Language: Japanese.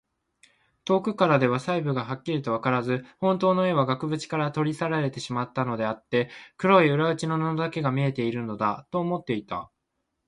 遠くからでは細部がはっきりわからず、ほんとうの絵は額ぶちから取り去られてしまったのであって、黒い裏打ちの布だけが見えているのだ、と思っていた。